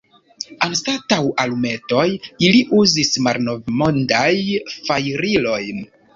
Anstataŭ alumetoj ili uzis malnovmodajn fajrilojn.